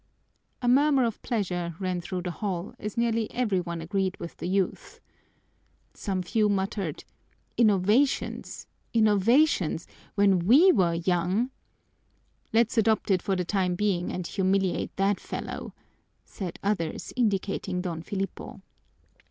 A murmur of pleasure ran through the hall, as nearly every one agreed with the youth. Some few muttered, "Innovations! Innovations! When we were young " "Let's adopt it for the time being and humiliate that fellow," said others, indicating Don Filipo.